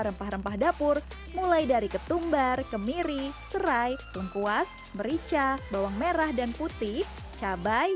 rempah rempah dapur mulai dari ketumbar kemiri serai lengkuas merica bawang merah dan putih cabai